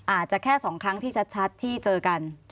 อาจจะแค่๒ครั้งที่ชัดที่เจอกัน